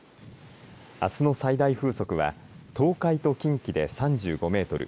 あすの最大風速は東海と近畿で３５メートル